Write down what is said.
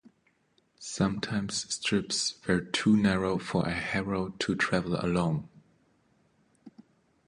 Sometimes strips were too narrow for a harrow to travel along.